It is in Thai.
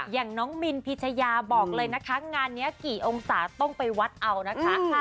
อย่างน้องมินพิชยาบอกเลยนะคะงานนี้กี่องศาต้องไปวัดเอานะคะ